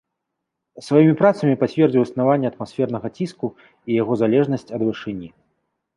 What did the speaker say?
Сваімі працамі пацвердзіў існаванне атмасфернага ціску і яго залежнасць ад вышыні.